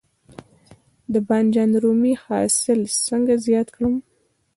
د بانجان رومي حاصل څنګه زیات کړم؟